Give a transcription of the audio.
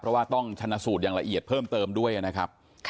เพราะว่าต้องชนะสูตรอย่างละเอียดเพิ่มเติมด้วยนะครับ